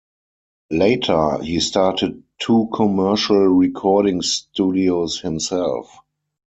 Later, he started two commercial recording studios himself.